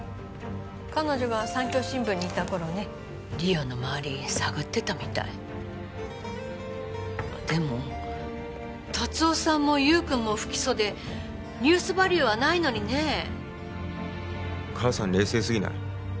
彼女が産教新聞にいた頃ね梨央の周り探ってたみたいでも達雄さんも優君も不起訴でニュースバリューはないのにね母さん冷静すぎない？